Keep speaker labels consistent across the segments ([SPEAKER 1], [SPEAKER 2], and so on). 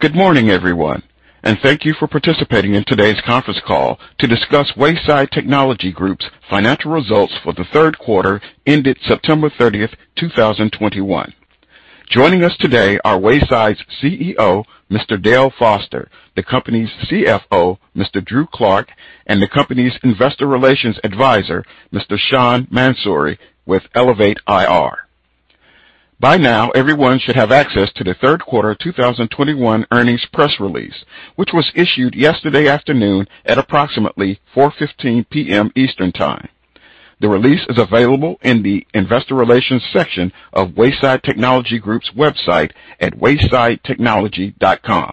[SPEAKER 1] Good morning everyone, and thank you for participating in today's conference call to discuss Wayside Technology Group's financial results for the third quarter ended September 30th, 2021. Joining us today are Wayside's CEO, Mr. Dale Foster, the company's CFO, Mr. Drew Clark, and the company's investor relations advisor, Mr. Sean Mansouri, with Elevate IR. By now, everyone should have access to the third quarter 2021 earnings press release, which was issued yesterday afternoon at approximately 4:15 P.M. Eastern Time. The release is available in the investor relations section of Wayside Technology Group's website at waysidetechnology.com.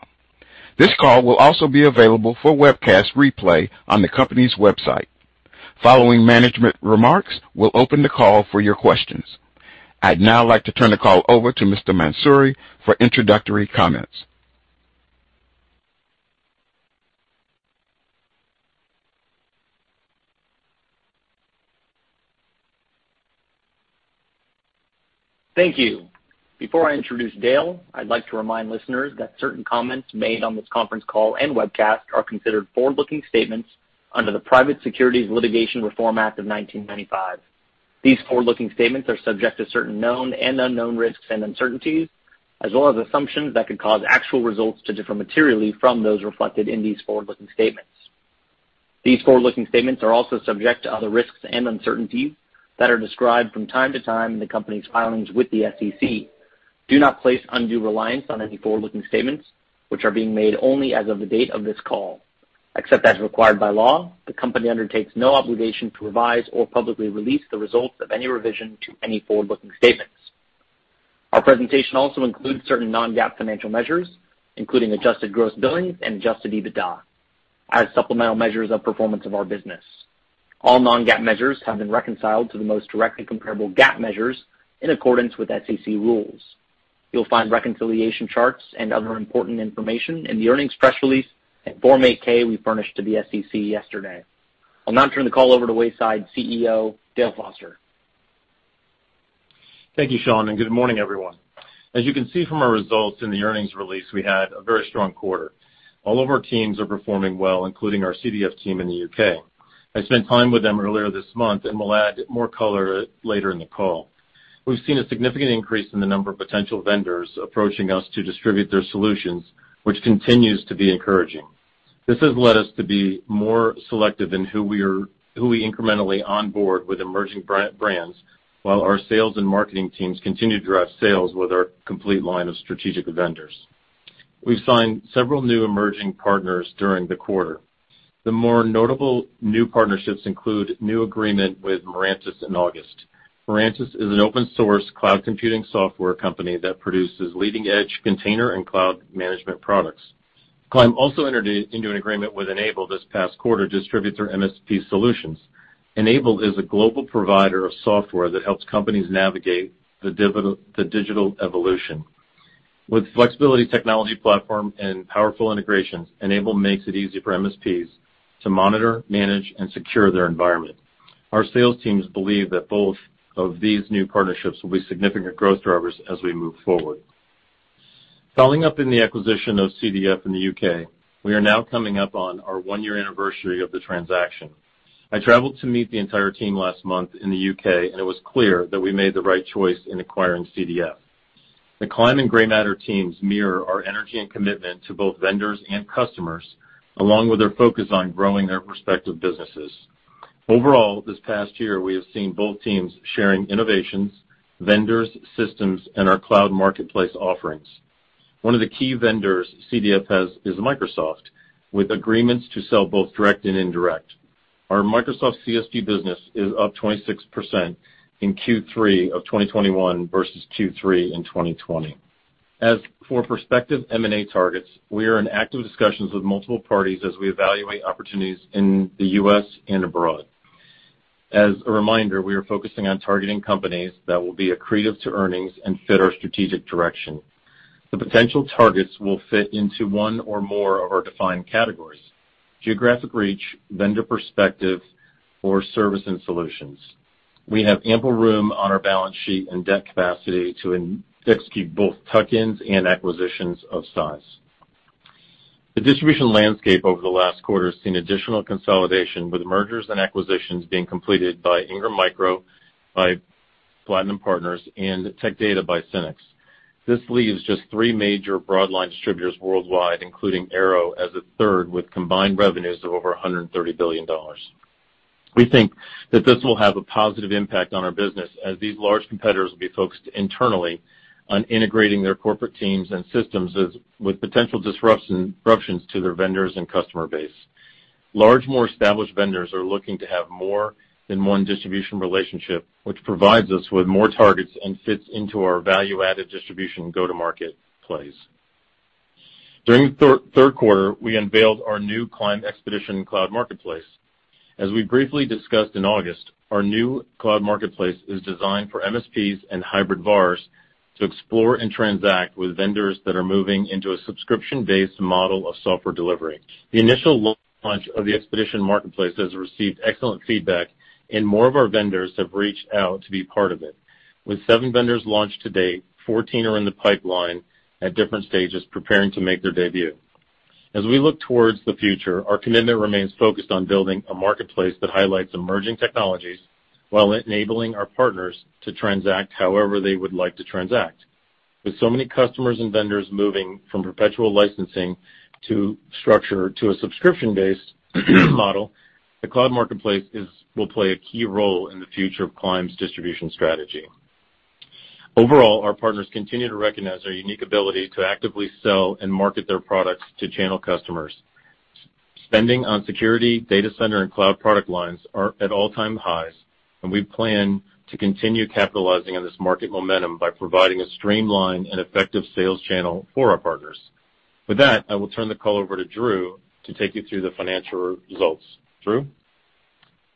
[SPEAKER 1] This call will also be available for webcast replay on the company's website. Following management remarks, we'll open the call for your questions. I'd now like to turn the call over to Mr. Mansouri for introductory comments.
[SPEAKER 2] Thank you. Before I introduce Dale, I'd like to remind listeners that certain comments made on this conference call and webcast are considered forward-looking statements under the Private Securities Litigation Reform Act of 1995. These forward-looking statements are subject to certain known and unknown risks and uncertainties, as well as assumptions that could cause actual results to differ materially from those reflected in these forward-looking statements. These forward-looking statements are also subject to other risks and uncertainties that are described from time to time in the company's filings with the SEC. Do not place undue reliance on any forward-looking statements which are being made only as of the date of this call. Except as required by law, the company undertakes no obligation to revise or publicly release the results of any revision to any forward-looking statements. Our presentation also includes certain non-GAAP financial measures, including adjusted gross billings and adjusted EBITDA as supplemental measures of performance of our business. All non-GAAP measures have been reconciled to the most directly comparable GAAP measures in accordance with SEC rules. You'll find reconciliation charts and other important information in the earnings press release and Form 8-K we furnished to the SEC yesterday. I'll now turn the call over to Wayside CEO, Dale Foster.
[SPEAKER 3] Thank you Sean, and good morning everyone. As you can see from our results in the earnings release, we had a very strong quarter. All of our teams are performing well, including our CDF team in the U.K. I spent time with them earlier this month and will add more color later in the call. We've seen a significant increase in the number of potential vendors approaching us to distribute their solutions, which continues to be encouraging. This has led us to be more selective in who we incrementally onboard with emerging brands, while our sales and marketing teams continue to drive sales with our complete line of strategic vendors. We've signed several new emerging partners during the quarter. The more notable new partnerships include new agreement with Mirantis in August. Mirantis is an open source cloud computing software company that produces leading-edge container and cloud management products. Climb also entered into an agreement with N-able this past quarter to distribute their MSP solutions. N-able is a global provider of software that helps companies navigate the digital evolution. With flexible technology platform and powerful integrations, N-able makes it easy for MSPs to monitor, manage, and secure their environment. Our sales teams believe that both of these new partnerships will be significant growth drivers as we move forward. Following up in the acquisition of CDF in the U.K., we are now coming up on our one-year anniversary of the transaction. I traveled to meet the entire team last month in the U.K., and it was clear that we made the right choice in acquiring CDF. The Climb and Grey Matter teams mirror our energy and commitment to both vendors and customers, along with their focus on growing their respective businesses. Overall, this past year, we have seen both teams sharing innovations, vendors, systems, and our cloud marketplace offerings. One of the key vendors CDF has is Microsoft, with agreements to sell both direct and indirect. Our Microsoft CSP business is up 26% in Q3 of 2021 versus Q3 in 2020. As for prospective M&A targets, we are in active discussions with multiple parties as we evaluate opportunities in the U.S. and abroad. As a reminder, we are focusing on targeting companies that will be accretive to earnings and fit our strategic direction. The potential targets will fit into one or more of our defined categories, geographic reach, vendor perspective, or service and solutions. We have ample room on our balance sheet and debt capacity to execute both tuck-ins and acquisitions of size. The distribution landscape over the last quarter has seen additional consolidation, with mergers and acquisitions being completed by Ingram Micro, by Platinum Equity, and Tech Data by SYNNEX. This leaves just three major broad line distributors worldwide, including Arrow as a third, with combined revenues of over $130 billion. We think that this will have a positive impact on our business, as these large competitors will be focused internally on integrating their corporate teams and systems as with potential disruptions to their vendors and customer base. Large, more established vendors are looking to have more than one distribution relationship, which provides us with more targets and fits into our value-added distribution go-to-market plays. During third quarter, we unveiled our new Climb Expedition cloud marketplace. As we briefly discussed in August, our new cloud marketplace is designed for MSPs and hybrid VARs to explore and transact with vendors that are moving into a subscription-based model of software delivery. The initial launch of the Expedition marketplace has received excellent feedback, and more of our vendors have reached out to be part of it. With seven vendors launched to date, 14 are in the pipeline at different stages, preparing to make their debut. As we look towards the future, our commitment remains focused on building a marketplace that highlights emerging technologies while enabling our partners to transact however they would like to transact. With so many customers and vendors moving from perpetual licensing to structure to a subscription-based model, the cloud marketplace will play a key role in the future of Climb's distribution strategy. Overall, our partners continue to recognize our unique ability to actively sell and market their products to channel customers. Spending on security, data center, and cloud product lines are at all-time highs, and we plan to continue capitalizing on this market momentum by providing a streamlined and effective sales channel for our partners. With that, I will turn the call over to Drew to take you through the financial results. Drew?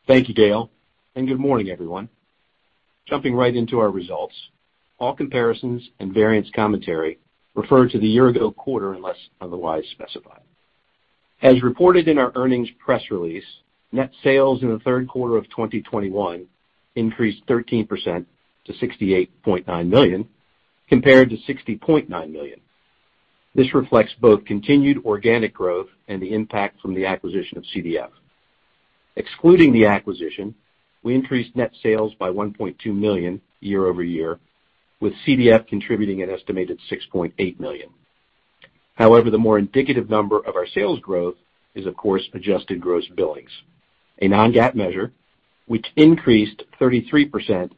[SPEAKER 4] Thank you Dale, and good morning everyone. Jumping right into our results. All comparisons and variance commentary refer to the year-ago quarter unless otherwise specified. As reported in our earnings press release, net sales in the third quarter of 2021 increased 13% to $68.9 million, compared to $60.9 million. This reflects both continued organic growth and the impact from the acquisition of CDF. Excluding the acquisition, we increased net sales by $1.2 million year-over-year, with CDF contributing an estimated $6.8 million. However, the more indicative number of our sales growth is, of course, adjusted gross billings, a non-GAAP measure which increased 33%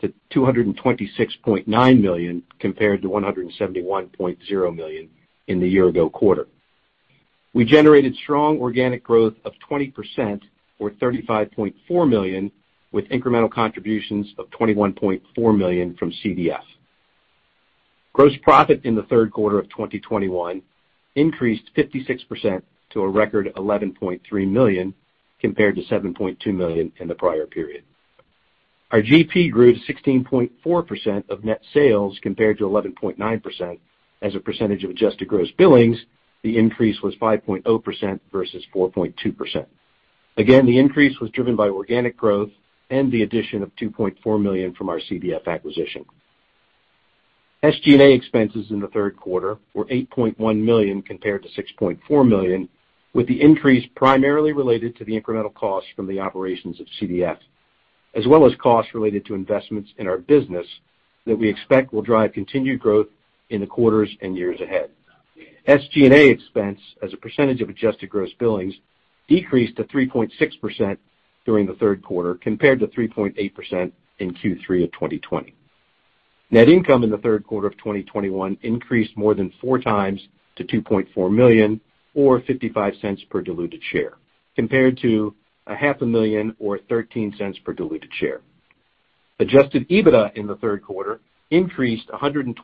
[SPEAKER 4] to $226.9 million compared to $171.0 million in the year-ago quarter. We generated strong organic growth of 20% or $35.4 million, with incremental contributions of $21.4 million from CDF. Gross profit in the third quarter of 2021 increased 56% to a record $11.3 million compared to $7.2 million in the prior period. Our GP grew to 16.4% of net sales compared to 11.9%. As a percentage of adjusted gross billings, the increase was 5.0% versus 4.2%. Again, the increase was driven by organic growth and the addition of $2.4 million from our CDF acquisition. SG&A expenses in the third quarter were $8.1 million compared to $6.4 million, with the increase primarily related to the incremental costs from the operations of CDF, as well as costs related to investments in our business that we expect will drive continued growth in the quarters and years ahead. SG&A expense as a percentage of adjusted gross billings decreased to 3.6% during the third quarter, compared to 3.8% in Q3 of 2020. Net income in the third quarter of 2021 increased more than four times to $2.4 million, or $0.55 per diluted share, compared to half a million or $0.13 per diluted share. Adjusted EBITDA in the third quarter increased 128%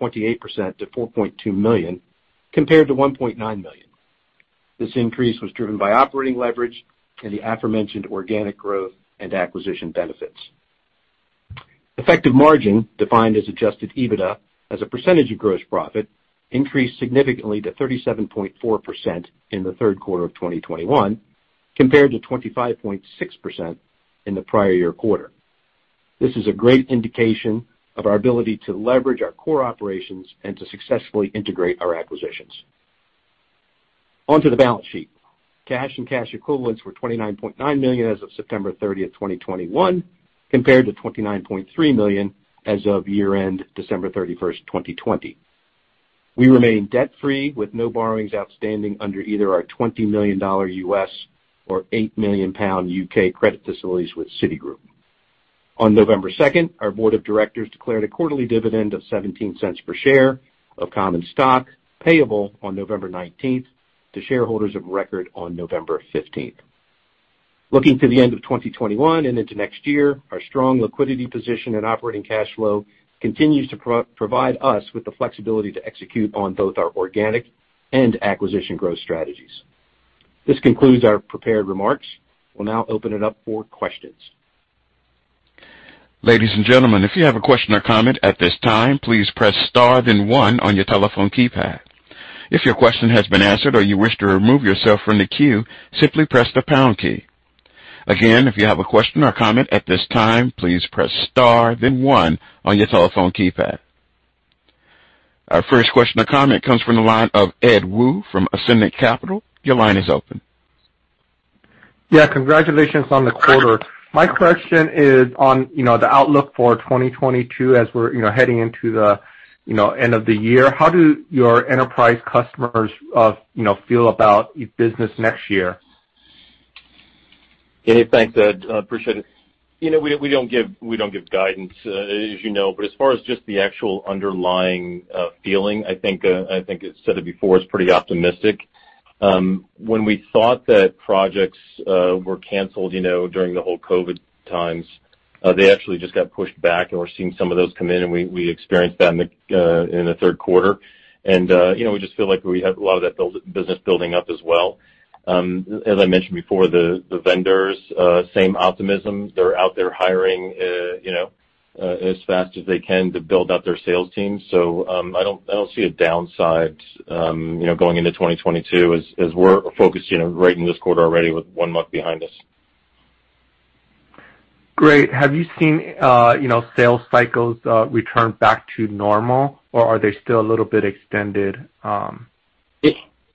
[SPEAKER 4] to $4.2 million, compared to $1.9 million. This increase was driven by operating leverage and the aforementioned organic growth and acquisition benefits. Effective margin, defined as adjusted EBITDA as a percentage of gross profit, increased significantly to 37.4% in the third quarter of 2021, compared to 25.6% in the prior-year quarter. This is a great indication of our ability to leverage our core operations and to successfully integrate our acquisitions. On to the balance sheet. Cash and cash equivalents were $29.9 million as of September 30th, 2021, compared to $29.3 million as of year-end December 31st, 2020. We remain debt-free, with no borrowings outstanding under either our $20 million U.S. or 8 million pound U.K. credit facilities with Citigroup. On November 2nd, our board of directors declared a quarterly dividend of $0.17 per share of common stock payable on November 19th to shareholders of record on November 15th. Looking to the end of 2021 and into next year, our strong liquidity position and operating cash flow continues to provide us with the flexibility to execute on both our organic and acquisition growth strategies. This concludes our prepared remarks. We'll now open it up for questions.
[SPEAKER 1] Ladies and gentlemen, if you have a question or comment at this time, please press star then one on your telephone keypad. If your question has been answered or you wish to remove yourself from the queue, simply press the pound key. Again, if you have a question or comment at this time, please press star then one on your telephone keypad. Our first question or comment comes from the line of Ed Woo from Ascendiant Capital. Your line is open.
[SPEAKER 5] Yeah. Congratulations on the quarter. My question is on, you know, the outlook for 2022 as we're, you know, heading into the, you know, end of the year. How do your enterprise customers, you know, feel about business next year?
[SPEAKER 3] Hey, thanks Ed. I appreciate it. You know, we don't give guidance, as you know, but as far as just the actual underlying feeling, I think I said it before, it's pretty optimistic. When we thought that projects were canceled, you know, during the whole COVID times, they actually just got pushed back, and we're seeing some of those come in, and we experienced that in the third quarter. You know, we just feel like we have a lot of that business building up as well. As I mentioned before, the vendors same optimism. They're out there hiring, you know, as fast as they can to build out their sales teams. I don't see a downside, you know, going into 2022 as we're focused, you know, right in this quarter already with one month behind us.
[SPEAKER 5] Great. Have you seen you know, sales cycles return back to normal or are they still a little bit extended?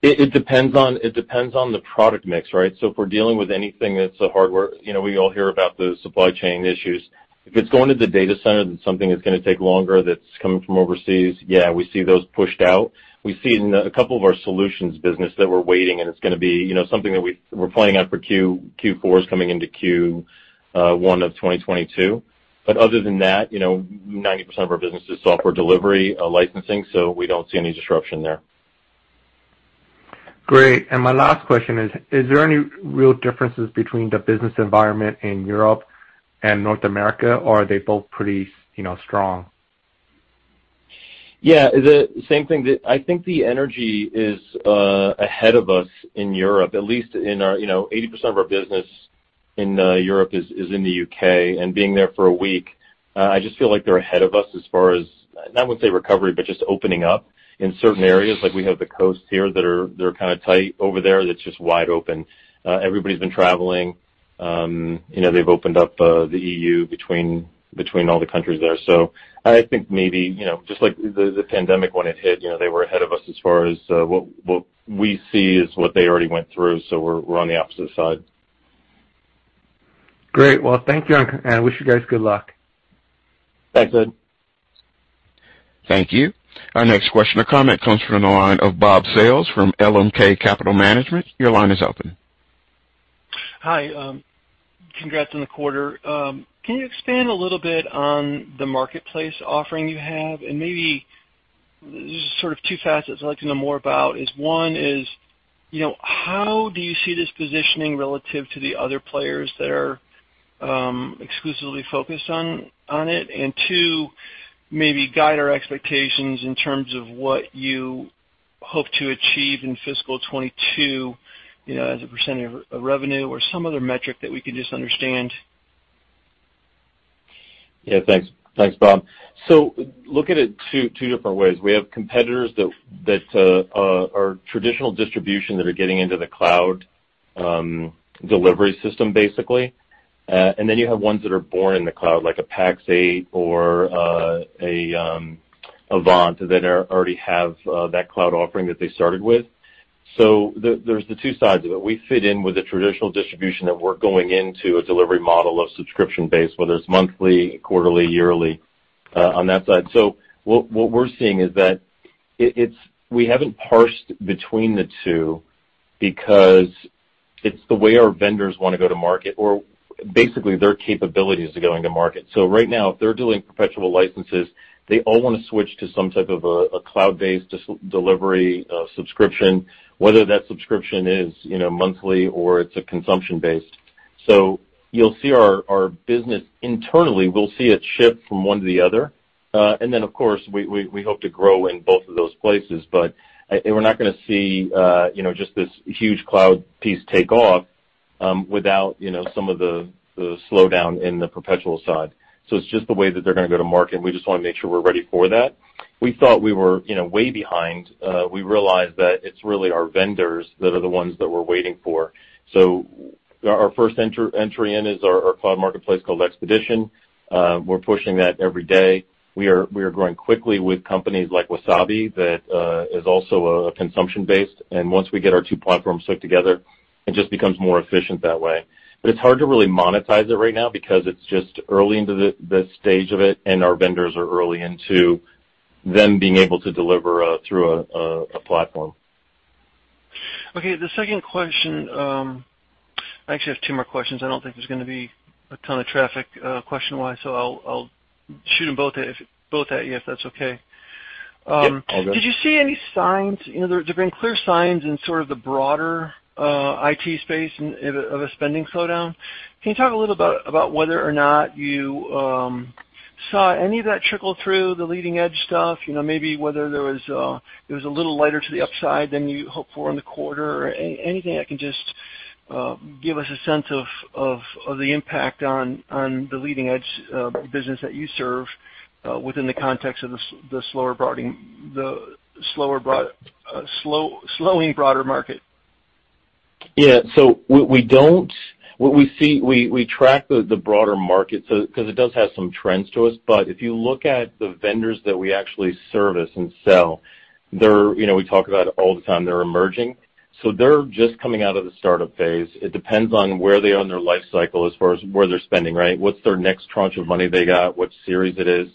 [SPEAKER 3] It depends on the product mix, right? If we're dealing with anything that's hardware, you know, we all hear about the supply chain issues. If it's going to the data center, then something is gonna take longer that's coming from overseas. Yeah, we see those pushed out. We see in a couple of our solutions business that we're waiting, and it's gonna be, you know, something that we're planning out for Q4 is coming into Q1 of 2022. But other than that, you know, 90% of our business is software delivery, licensing, so we don't see any disruption there.
[SPEAKER 5] Great. My last question is there any real differences between the business environment in Europe and North America, or are they both pretty, you know, strong?
[SPEAKER 3] Yeah, the same thing. I think the energy is ahead of us in Europe, at least in our, you know, 80% of our business in Europe is in the U.K. Being there for a week, I just feel like they're ahead of us as far as, I would say recovery, but just opening up in certain areas. Like we have the coasts here they're kind of tight over there, that's just wide open. Everybody's been traveling. You know, they've opened up the EU between all the countries there. I think maybe, you know, just like the pandemic when it hit, you know, they were ahead of us as far as what we see is what they already went through. We're on the opposite side.
[SPEAKER 5] Great. Well thank you, and wish you guys good luck.
[SPEAKER 3] Thanks Ed.
[SPEAKER 1] Thank you. Our next question or comment comes from the line of Bob Sales from LMK Capital Management. Your line is open.
[SPEAKER 6] Hi. Congrats on the quarter. Can you expand a little bit on the marketplace offering you have? Maybe this is sort of two facets I'd like to know more about. One is, you know, how do you see this positioning relative to the other players that are exclusively focused on it? Two, maybe guide our expectations in terms of what you hope to achieve in fiscal 2022, you know, as a percentage of revenue or some other metric that we can just understand.
[SPEAKER 3] Yeah thanks. Thanks Bob. Look at it two different ways. We have competitors that are traditional distribution that are getting into the cloud delivery system, basically. Then you have ones that are born in the cloud, like a Pax8 or a AVANT that already have that cloud offering that they started with. There's the two sides of it. We fit in with the traditional distribution that we're going into a delivery model of subscription base, whether it's monthly, quarterly, yearly, on that side. What we're seeing is that we haven't parsed between the two because it's the way our vendors wanna go to market or basically their capabilities are going to market. Right now, if they're doing perpetual licenses, they all wanna switch to some type of a cloud-based delivery subscription, whether that subscription is, you know, monthly or it's a consumption-based. You'll see our business internally. We'll see it shift from one to the other. Of course, we hope to grow in both of those places. We're not gonna see, you know, just this huge cloud piece take off without, you know, some of the slowdown in the perpetual side. It's just the way that they're gonna go to market, and we just wanna make sure we're ready for that. We thought we were, you know, way behind. We realized that it's really our vendors that are the ones that we're waiting for. Our first entry in is our cloud marketplace called Expedition. We're pushing that every day. We are growing quickly with companies like Wasabi that is also a consumption-based. Once we get our two platforms stuck together, it just becomes more efficient that way. It's hard to really monetize it right now because it's just early into the stage of it and our vendors are early into them being able to deliver through a platform.
[SPEAKER 6] Okay. The second question. I actually have two more questions. I don't think there's gonna be a ton of traffic, question-wise, so I'll shoot them both at you, if that's okay.
[SPEAKER 3] Yep, all good.
[SPEAKER 6] Did you see any signs? You know, there have been clear signs in sort of the broader IT space of a spending slowdown. Can you talk a little about whether or not you saw any of that trickle through the leading edge stuff? You know, maybe whether there was it was a little lighter to the upside than you hoped for in the quarter or anything that can just give us a sense of the impact on the leading edge business that you serve within the context of the slowing broader market.
[SPEAKER 3] Yeah. We don't. What we see, we track the broader market because it does have some trends to us. If you look at the vendors that we actually service and sell, they're, you know, we talk about it all the time they're emerging, so they're just coming out of the startup phase. It depends on where they are in their life cycle as far as where they're spending, right? What's their next tranche of money they got? What series it is?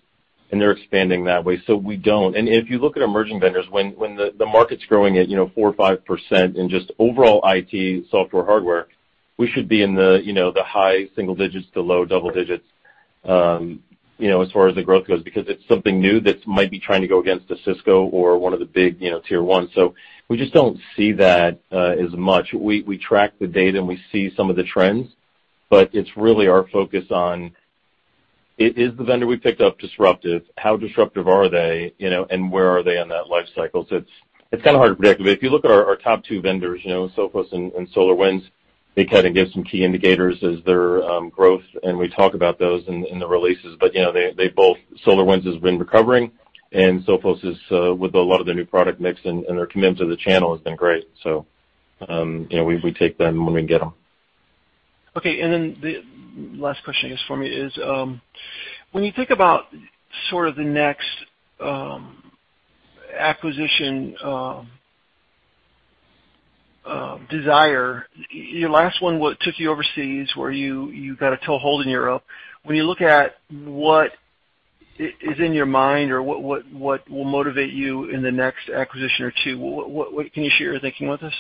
[SPEAKER 3] They're expanding that way. We don't. If you look at emerging vendors, when the market's growing at, you know, 4% or 5% in just overall IT software, hardware, we should be in the, you know, the high single digits to low double digits, you know, as far as the growth goes, because it's something new that might be trying to go against a Cisco or one of the big, you know, tier one. We just don't see that as much. We track the data and we see some of the trends, but it's really our focus on is the vendor we picked up disruptive? How disruptive are they, you know, and where are they in that life cycle? It's kind of hard to predict. If you look at our top two vendors you know, Sophos and SolarWinds, they kind of give some key indicators as their growth and we talk about those in the releases. You know, SolarWinds has been recovering and Sophos is with a lot of their new product mix and their commitment to the channel has been great. You know, we take them when we can get them.
[SPEAKER 6] Okay. Then the last question I guess for me is, when you think about sort of the next acquisition desire, your last one took you overseas where you got a toehold in Europe. When you look at what is in your mind or what will motivate you in the next acquisition or two, what can you share your thinking with us?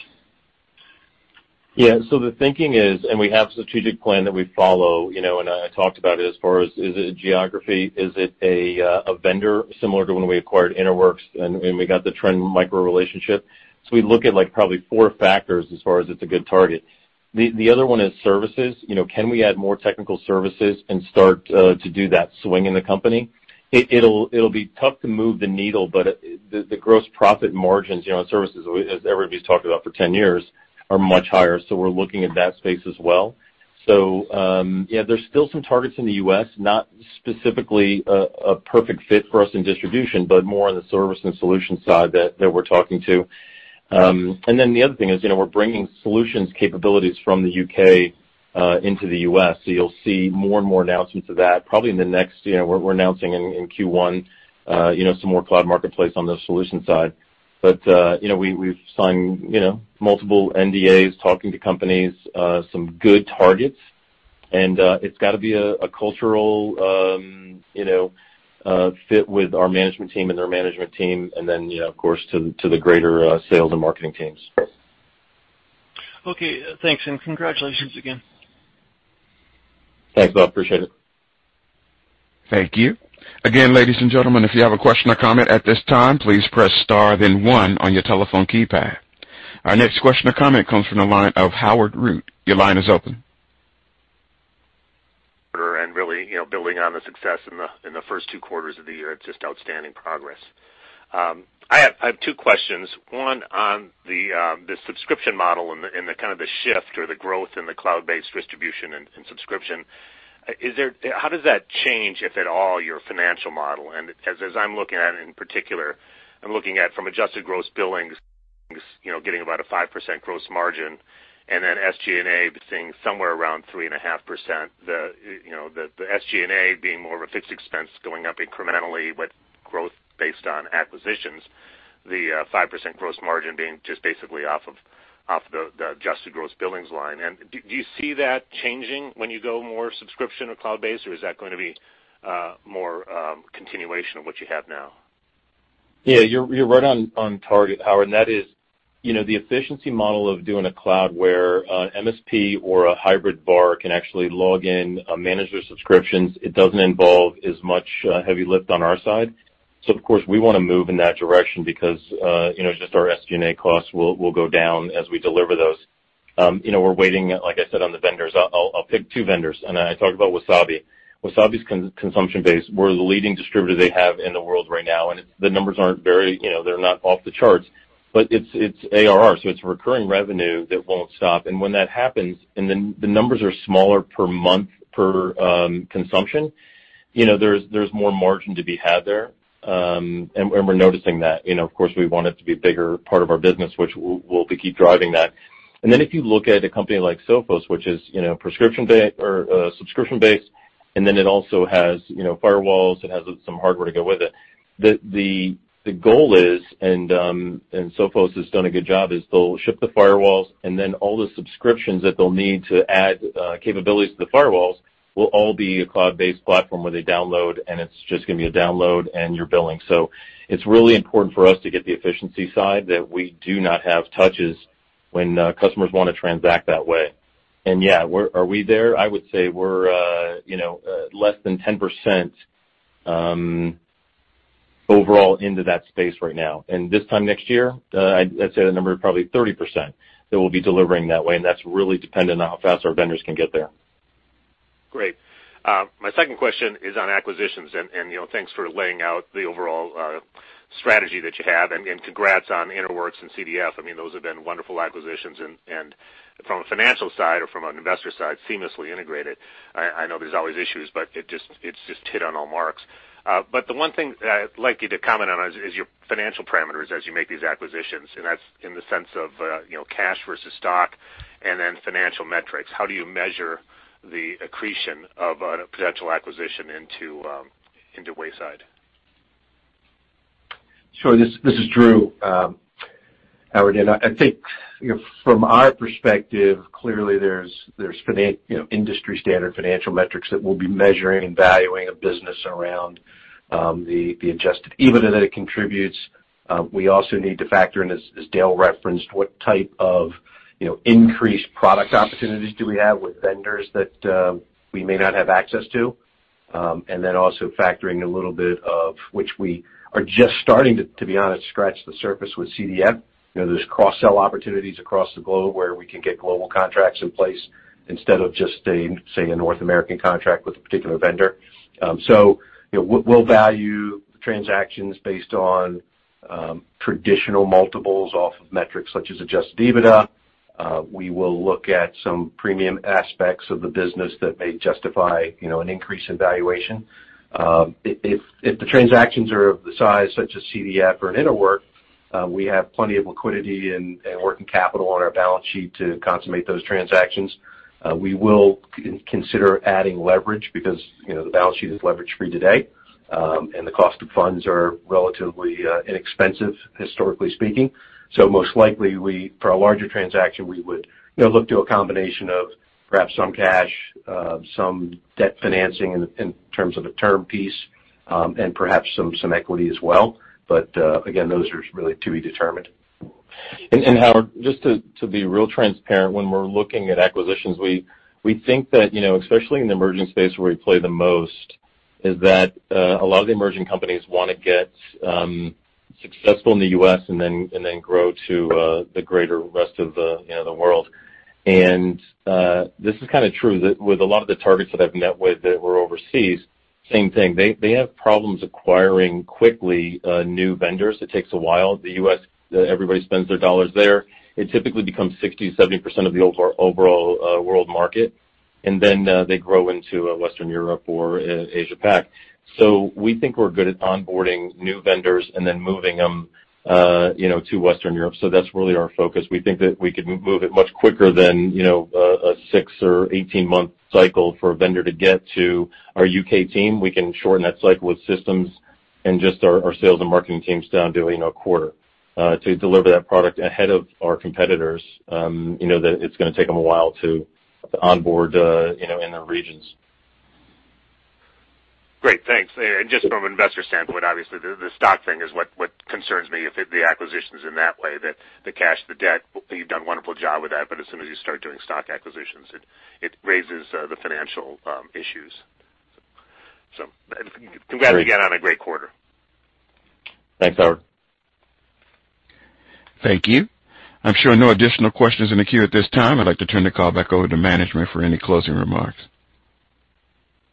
[SPEAKER 3] The thinking is, and we have a strategic plan that we follow, you know, and I talked about it as far as is it geography, is it a vendor similar to when we acquired Interwork and we got the Trend Micro relationship. We look at like probably 4 factors as far as it's a good target. The other one is services. You know, can we add more technical services and start to do that swing in the company? It'll be tough to move the needle, but the gross profit margins, you know, in services, as everybody's talked about for 10 years, are much higher. We're looking at that space as well. Yeah, there's still some targets in the U.S., not specifically a perfect fit for us in distribution, but more on the service and solution side that we're talking to. The other thing is, you know, we're bringing solutions capabilities from the U.K. into the U.S. You'll see more and more announcements of that probably in the next, you know, we're announcing in Q1, you know, some more cloud marketplace on the solution side. You know, we've signed, you know, multiple NDAs, talking to companies, some good targets. It's got to be a cultural, you know, fit with our management team and their management team, and then, you know, of course, to the greater sales and marketing teams.
[SPEAKER 6] Okay thanks, and congratulations again.
[SPEAKER 3] Thanks Bob. Appreciate it.
[SPEAKER 1] Thank you. Again, ladies and gentlemen, if you have a question or comment at this time, please press star then one on your telephone keypad. Our next question or comment comes from the line of Howard Root. Your line is open.
[SPEAKER 7] Really, you know, building on the success in the first two quarters of the year, it's just outstanding progress. I have two questions. One on the subscription model and the kind of the shift or the growth in the cloud-based distribution and subscription. How does that change, if at all, your financial model? As I'm looking at it in particular, I'm looking at from adjusted gross billings, you know, getting about a 5% gross margin and then SG&A seeing somewhere around 3.5%. The SG&A being more of a fixed expense going up incrementally with growth based on acquisitions, the 5% gross margin being just basically off of the adjusted gross billings line. Do you see that changing when you go more subscription or cloud-based, or is that going to be more continuation of what you have now?
[SPEAKER 3] Yeah, you're right on target Howard, and that is you know the efficiency model of doing a cloud where MSP or a hybrid VAR can actually log in manage their subscriptions. It doesn't involve as much heavy lift on our side. Of course, we wanna move in that direction because you know just our SG&A costs will go down as we deliver those. You know, we're waiting, like I said, on the vendors. I'll pick two vendors. I talked about Wasabi. Wasabi's consumption base, we're the leading distributor they have in the world right now. And it's the numbers aren't very you know they're not off the charts, but it's ARR, so it's recurring revenue that won't stop. When that happens, and then the numbers are smaller per month per consumption, you know, there's more margin to be had there, and we're noticing that. You know, of course, we want it to be a bigger part of our business which we'll keep driving that. Then if you look at a company like Sophos, which is, you know, subscription-based, and then it also has, you know, firewalls, it has some hardware to go with it. The goal is, and Sophos has done a good job, is they'll ship the firewalls and then all the subscriptions that they'll need to add capabilities to the firewalls will all be a cloud-based platform where they download, and it's just gonna be a download and you're billing. It's really important for us to get the efficiency side that we do not have touches when customers wanna transact that way. Yeah, are we there? I would say we're, you know, less than 10% overall into that space right now. This time next year, I'd say the number is probably 30% that we'll be delivering that way. That's really dependent on how fast our vendors can get there.
[SPEAKER 7] Great. My second question is on acquisitions and, you know, thanks for laying out the overall, strategy that you have. Congrats on Interwork and CDF. I mean, those have been wonderful acquisitions and from a financial side or from an investor side, seamlessly integrated. I know there's always issues, but it's just hit on all marks. The one thing I'd like you to comment on is your financial parameters as you make these acquisitions, and that's in the sense of, you know, cash versus stock and then financial metrics. How do you measure the accretion of a potential acquisition into Wayside?
[SPEAKER 4] Sure. This is Drew, Howard. I think, you know, from our perspective, clearly there's industry standard financial metrics that we'll be measuring and valuing a business around, the adjusted EBITDA that it contributes. We also need to factor in, as Dale referenced, what type of, you know, increased product opportunities do we have with vendors that we may not have access to. And then also factoring a little bit of which we are just starting to be honest, scratch the surface with CDF. You know, there's cross-sell opportunities across the globe where we can get global contracts in place instead of just staying, say, a North American contract with a particular vendor. You know, we'll value transactions based on traditional multiples off of metrics such as adjusted EBITDA. We will look at some premium aspects of the business that may justify, you know, an increase in valuation. If the transactions are of the size such as CDF or an Interwork We have plenty of liquidity and working capital on our balance sheet to consummate those transactions. We will consider adding leverage because, you know, the balance sheet is leverage-free today, and the cost of funds are relatively inexpensive historically speaking. Most likely, for a larger transaction, we would, you know, look to a combination of perhaps some cash, some debt financing in terms of a term piece, and perhaps some equity as well. Again, those are really to be determined.
[SPEAKER 3] Howard, just to be real transparent, when we're looking at acquisitions, we think that, you know, especially in the emerging space where we play the most, is that a lot of the emerging companies wanna get successful in the U.S. and then grow to the greater rest of the, you know, the world. This is kinda true that with a lot of the targets that I've met with that were overseas, same thing. They have problems acquiring quickly new vendors. It takes a while. The U.S., everybody spends their dollars there. It typically becomes 60%-70% of the overall world market, and then they grow into Western Europe or Asia Pac. We think we're good at onboarding new vendors and then moving them, you know, to Western Europe. That's really our focus. We think that we can move it much quicker than, you know, a six or 18-month cycle for a vendor to get to our U.K. team. We can shorten that cycle with systems and just our sales and marketing teams down to, you know, a quarter, to deliver that product ahead of our competitors, you know, that it's gonna take them a while to onboard, you know, in the regions.
[SPEAKER 7] Great. Thanks. Just from an investor standpoint, obviously, the stock thing is what concerns me if it'd be acquisitions in that way, the cash, the debt. You've done a wonderful job with that, but as soon as you start doing stock acquisitions, it raises the financial issues. Congrats again on a great quarter.
[SPEAKER 3] Thanks Howard.
[SPEAKER 1] Thank you. I'm showing no additional questions in the queue at this time. I'd like to turn the call back over to management for any closing remarks.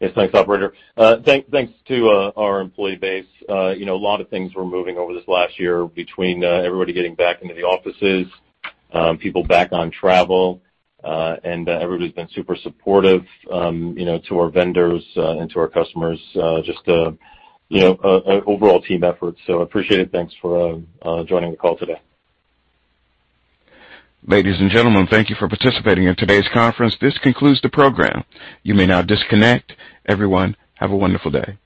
[SPEAKER 3] Yes, thanks operator. Thanks to our employee base. You know, a lot of things were moving over this last year between everybody getting back into the offices, people back on travel, and everybody's been super supportive, you know, to our vendors and to our customers, just, you know, overall team effort. Appreciate it. Thanks for joining the call today.
[SPEAKER 1] Ladies and gentlemen, thank you for participating in today's conference. This concludes the program. You may now disconnect. Everyone, have a wonderful day.